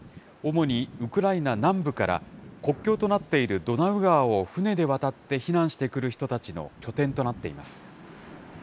主にウクライナ南部から、国境となっているドナウ川を船で渡って避難してくる人たちの拠点となっています。